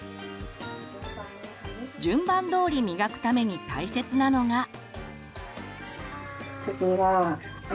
順番どおり磨くために大切なのが。